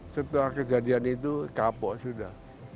setelah kejadian itu kapok sudah